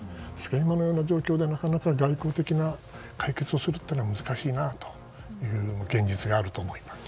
今のような状況でなかなか外交的な解決をするのは難しいなという現実があると思います。